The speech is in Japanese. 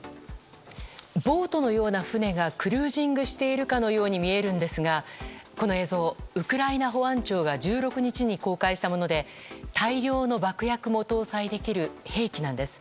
ボートのような船がクルージングしているかのように見えるんですが、この映像ウクライナ保安庁が１６日に公開したもので大量の爆薬も搭載できる兵器なんです。